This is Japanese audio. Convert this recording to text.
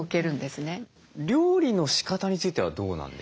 料理のしかたについてはどうなんですか？